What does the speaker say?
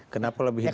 kenapa lebih hidup